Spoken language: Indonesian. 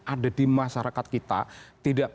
ada di masyarakat